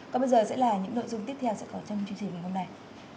còn bây giờ sẽ là những nội dung tiếp theo sẽ có trong chương trình ngày hôm nay